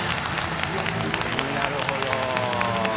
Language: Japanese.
なるほど。